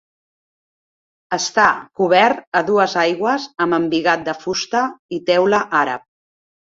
Està cobert a dues aigües amb embigat de fusta i teula àrab.